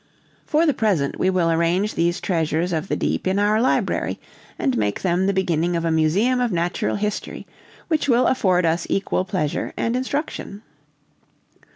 "For the present, we will arrange these treasures of the deep in our library, and make them the beginning of a Museum of Natural History, which will afford us equal pleasure and instruction."